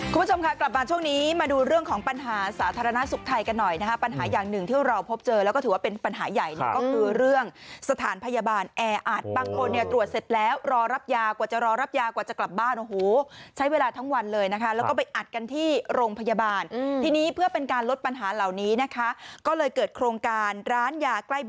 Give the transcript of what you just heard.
คุณผู้ชมค่ะกลับมาช่วงนี้มาดูเรื่องของปัญหาสาธารณสุขไทยกันหน่อยนะฮะปัญหาอย่างหนึ่งที่เราพบเจอแล้วก็ถือว่าเป็นปัญหาใหญ่เนี่ยก็คือเรื่องสถานพยาบาลแออัดบางคนเนี่ยตรวจเสร็จแล้วรอรับยากว่าจะรอรับยากว่าจะกลับบ้านโอ้โหใช้เวลาทั้งวันเลยนะคะแล้วก็ไปอัดกันที่โรงพยาบาลทีนี้เพื่อเป็นการลดปัญหาเหล่านี้นะคะก็เลยเกิดโครงการร้านยาใกล้บ